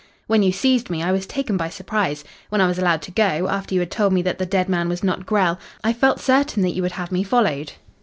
"When you seized me I was taken by surprise. When I was allowed to go, after you had told me that the dead man was not Grell, I felt certain that you would have me followed.